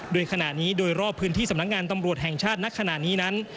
โดยขณะนี้โดยรอบพื้นที่สำนักงานตำรวจแห่งชาติณขณะนี้นั้น